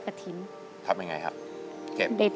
สวัสดีครับ